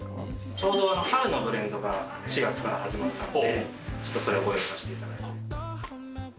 ちょうど春のブレンドが４月から始まったので、ちょっとそれをご用意させていただいた。